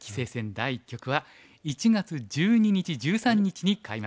第一局は１月１２日１３日に開幕します。